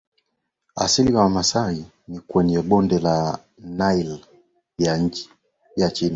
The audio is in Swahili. Asili ya Wamasai ni kwenye bondela Nile ya chini